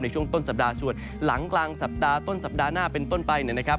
ช่วงต้นสัปดาห์ส่วนหลังกลางสัปดาห์ต้นสัปดาห์หน้าเป็นต้นไปเนี่ยนะครับ